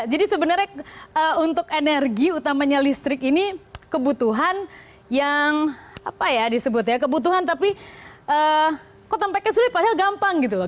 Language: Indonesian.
jadi sebenarnya untuk energi utamanya listrik ini kebutuhan yang apa ya disebut ya kebutuhan tapi kok tampaknya sulit padahal gampang gitu loh